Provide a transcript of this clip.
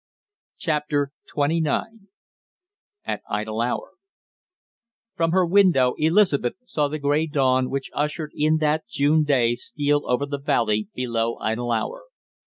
CHAPTER TWENTY NINE AT IDLE HOUR From her window Elizabeth saw the gray dawn which ushered in that June day steal over the valley below Idle Hour.